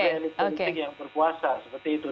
politik yang berpuasa seperti itu